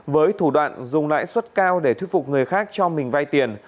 với thủ đoạn dùng lãi suất cao để thuyết phục người khác cho mình vay tiền